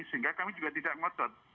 sehingga kami juga tidak ngotot